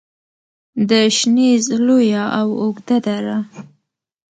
د شنیز لویه او اوږده دره